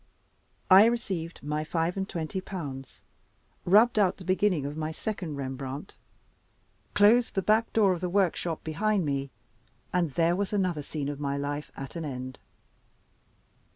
I received my five and twenty pounds, rubbed out the beginning of my second Rembrandt, closed the back door of the workshop behind me, and there was another scene of my life at an end.